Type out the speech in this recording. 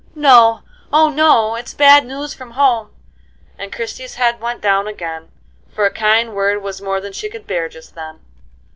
"No; oh, no! it's bad news from home," and Christie's head went down again, for a kind word was more than she could bear just then.